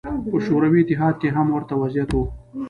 په شوروي اتحاد کې هم ورته وضعیت و.